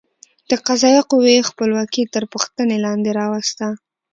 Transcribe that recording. د قضایه قوې خپلواکي تر پوښتنې لاندې راوسته.